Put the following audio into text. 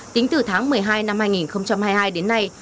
tính từ tháng một mươi hai năm hai nghìn hai mươi hai đến nay